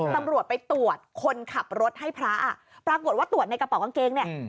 ตำรวจไปตรวจคนขับรถให้พระอ่ะปรากฏว่าตรวจในกระเป๋ากางเกงเนี่ย